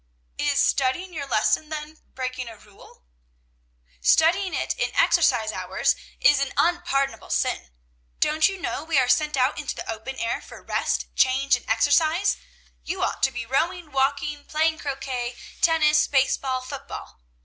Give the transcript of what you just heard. '" "Is studying your lesson, then, breaking a rule?" "Studying it in exercise hours is an unpardonable sin. Don't you know we are sent out into the open air for rest, change, exercise? You ought to be rowing, walking, playing croquet, tennis, base ball, football.